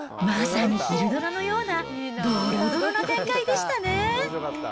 まさに昼ドラのようなどろどろの展開でしたね。